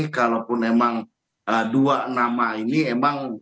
kalaupun memang dua nama ini emang